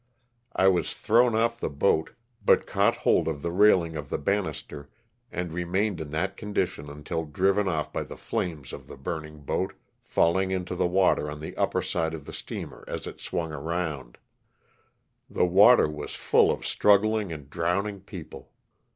I was thrown off the boat, but caught hold of the railing of the banister and remained in that condition until driven off by the flames of the burning boat, falling into the water on the upper side of the steamer as it swung around. The water was full of struggling and drowning people.